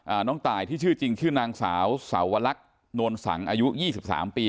น้องตายที่ชื่อจริงชื่อนางสาวสาวลักษณ์นวลสังอายุยี่สิบสามปี